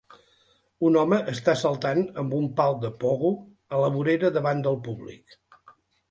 Un home està saltant amb un pal de pogo a la vorera davant del públic.